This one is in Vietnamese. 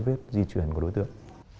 và không biết di chuyển của đối tượng